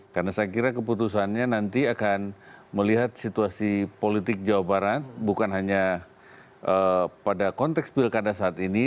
karena saya kira keputusannya nanti akan melihat situasi politik jawa barat bukan hanya pada konteks pilkada saat ini